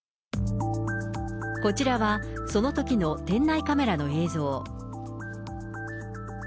こちらはそのときの店内カメラの映像。